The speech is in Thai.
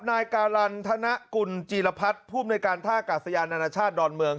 นายการันธนกุลจีรพัฒน์ภูมิในการท่ากาศยานานาชาติดอนเมือง